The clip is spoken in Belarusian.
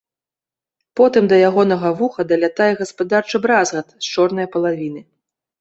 Потым да ягонага вуха далятае гаспадарчы бразгат з чорнае палавіны.